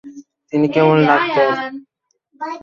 তিনি কেমন ডাক্তার?